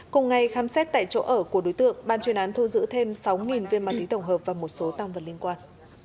cùng ngày khám xét tại chỗ ở của đối tượng ban chuyên án thu giữ thêm sáu viên ma túy tổng hợp và một số tăng vật liên quan